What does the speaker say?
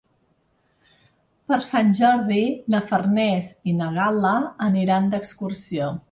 Per Sant Jordi na Farners i na Gal·la aniran d'excursió.